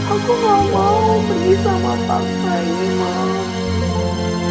aku gak mau pergi sama papa ini mams